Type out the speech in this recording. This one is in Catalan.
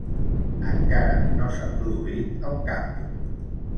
Encara no s'ha produït el canvi.